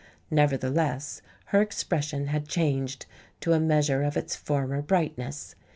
Nevertheless, her expression had changed to a measure of its former brightness.